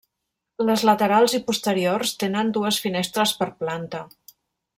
Les laterals i posteriors tenen dues finestres per planta.